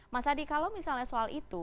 mas adi kalau misalnya soal itu